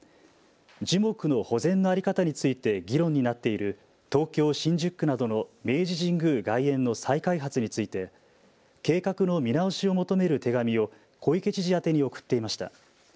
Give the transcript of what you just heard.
樹木の保全の在り方について議論になっている東京新宿区などの明治神宮外苑の再開発について計画の見直しを求める手紙を小池知事宛に送っていました。